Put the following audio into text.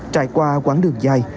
trải qua quãng đường dài